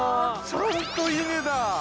◆ちゃんと稲だ！